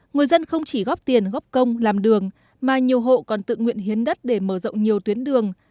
người dân không chỉ góp tiền góp công làm đường mà nhiều hộ còn tự nguyện hiến đất để mở rộng nhiều tuyến đường